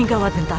ini gawat bintala